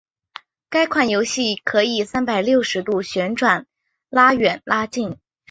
该款游戏可以三百六十度旋转拉远拉近。